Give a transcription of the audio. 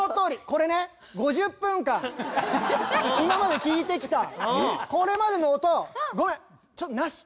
これね５０分間今まで聴いてきたこれまでの音「ごめんちょっとなし」。